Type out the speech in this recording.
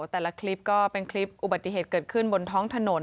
แต่ละคลิปคืออุบัติเหตุเกิดขืนบนท้องถนน